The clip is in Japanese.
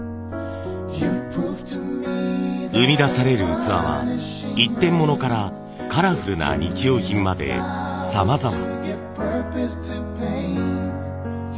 生み出される器は一点物からカラフルな日用品までさまざま。